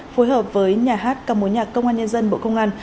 phối hợp với nhà hát ca mối nhạc công an nhân dân bộ công an